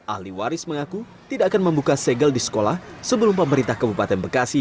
ahli waris mengaku tidak akan membuka segel di sekolah sebelum pemerintah kabupaten bekasi